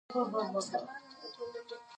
کنه د جنګونو ګټل به فقط خوب وي.